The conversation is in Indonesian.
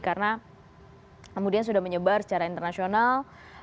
karena kemudian sudah menyebar secara internasional